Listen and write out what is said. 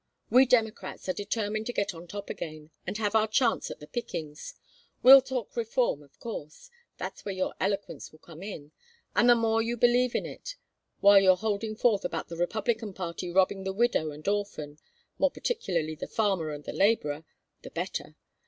We Democrats are determined to get on top again and have our chance at the pickings. We'll talk reform, of course. That's where your eloquence will come in, and the more you believe in it while you're holding forth about the Republican party robbing the widow and orphan more particularly the farmer and the laborer the better.